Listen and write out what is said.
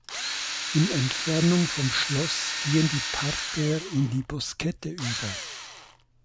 In Entfernung vom Schloss gehen die Parterres in die Boskette über.